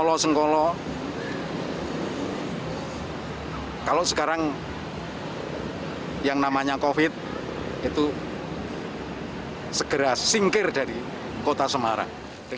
kalau senggolo kalau sekarang yang namanya covid itu segera singkir dari kota semarang